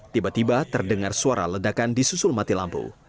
tiba tiba terdengar suara ledakan di susul mati lampu